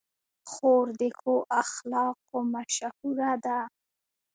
خور د ښو اخلاقو مشهوره ده.